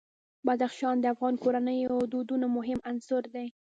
بدخشان د افغان کورنیو د دودونو مهم عنصر دی.